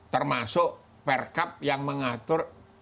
termasuk perkap yang mengatur